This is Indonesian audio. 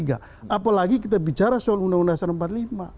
apalagi kita bicara soal undang undang dasar empat puluh lima